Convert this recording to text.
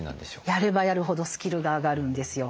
やればやるほどスキルが上がるんですよ。